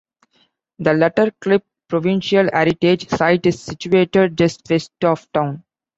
The Letterklip provincial heritage site is situated just west of town.